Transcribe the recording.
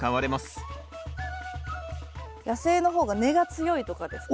野生の方が根が強いとかですかね。